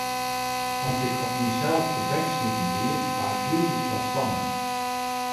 Om't ik op mysels tebeksmiten wie, waard ik hieltyd selsstanniger.